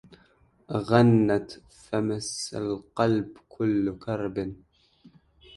غنت فمس القلب كل كرب